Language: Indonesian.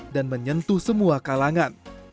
dan menyentuh semua kalangan